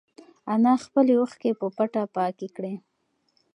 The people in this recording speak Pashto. انا خپلې اوښکې په پټه پاکې کړې.